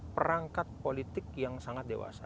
perangkat politik yang sangat dewasa